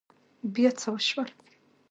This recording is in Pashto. بيا څه وشول؟